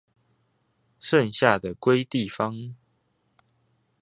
剩下的歸地方